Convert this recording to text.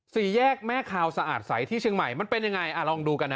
สี่แยกแม่คาวสะอาดใสที่เชียงใหม่มันเป็นยังไงอ่ะลองดูกันนะ